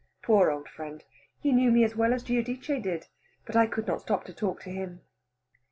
Poor old friend, he knew me as well as Giudice did, but I could not stop to talk to him.